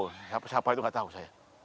nggak tahu siapa itu nggak tahu saya